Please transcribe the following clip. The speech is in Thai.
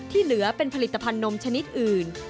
เหลือเป็นผลิตภัณฑนมชนิดอื่น